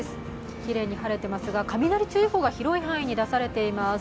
きれいに晴れてますが、雷注意報が広い範囲に出されています。